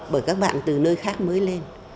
bởi các bạn từ nơi khác mới lên